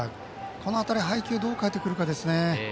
この辺りで配球をどう変えてくるかですね。